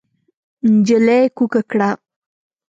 نجلۍ کوکه کړه.